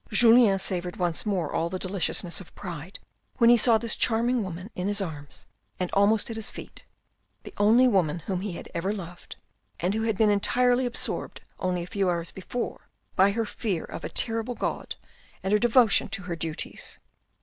Julien savoured once more all the deliciousness of pride, when he saw this charming woman in his arms and almost at his feet, the only woman whom he had ever loved, and who had been entirely absorbed only a few hours before by her fear of a terrible God and her devotion to her duties.